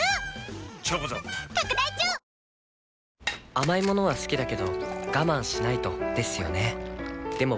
甘い物は好きだけど我慢しないとですよね